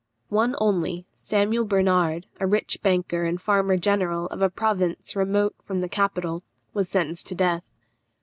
One only, Samuel Bernard, a rich banker and farmer general of a province remote from the capital, was sentenced to death.